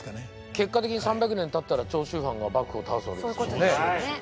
結果的に３００年たったら長州藩が幕府を倒すわけですもんね。